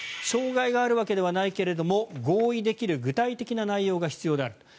障害があるわけではないけれども合意できる具体的な内容が必要である。